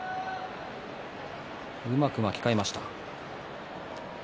うまく巻き替えました。